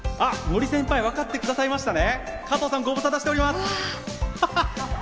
森先輩、分かってくださいましたね。